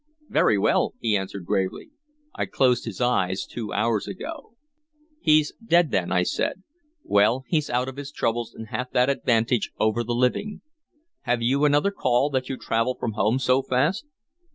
"Very well," he answered gravely. "I closed his eyes two hours ago." "He's dead, then," I said. "Well, he 's out of his troubles, and hath that advantage over the living. Have you another call, that you travel from home so fast?"